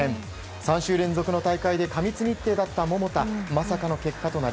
３週連続の大会で過密日程だった桃田。